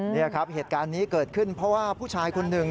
นี่ครับเหตุการณ์นี้เกิดขึ้นเพราะว่าผู้ชายคนหนึ่ง